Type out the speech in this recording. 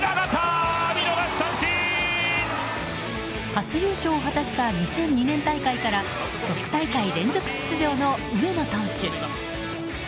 初優勝を果たした２００２年大会から６大会連続出場の上野投手。